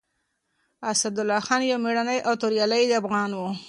اسدالله خان يو مېړنی او توريالی افغان و.